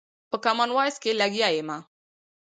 په کامن وايس کښې لګيا ىمه